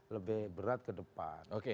lebih berat ke depan